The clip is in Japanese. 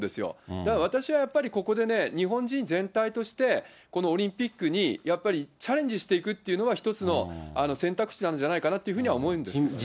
だから私はやっぱりここでね、日本人全体として、このオリンピックにやっぱりチャレンジしていくというのは、一つの選択肢なんじゃないかなというふうには思うんですけどね。